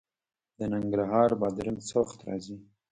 د ننګرهار بادرنګ څه وخت راځي؟